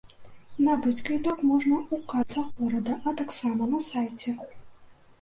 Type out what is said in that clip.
Набыць квіток можна ў касах горада, а таксама на сайце.